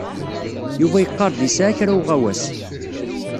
Yuba yeqqar-d yesɛa kra uɣawas.